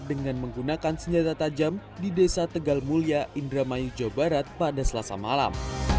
dengan menggunakan senjata tajam di desa tegal mulia indramayu jawa barat pada selasa malam